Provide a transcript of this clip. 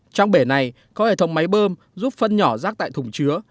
trong bể này có hệ thống máy bơm giúp phân nhỏ rác tại thùng chứa